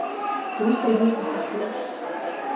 Уи саргьы исаҳахьеит.